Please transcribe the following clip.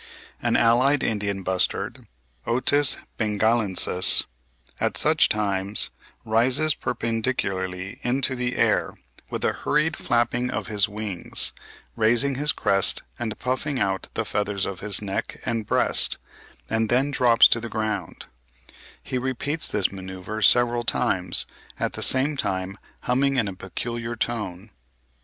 An allied Indian bustard (Otis bengalensis) at such times "rises perpendicularly into the air with a hurried flapping of his wings, raising his crest and puffing out the feathers of his neck and breast, and then drops to the ground;" he repeats this manoeuvre several times, at the same time humming in a peculiar tone.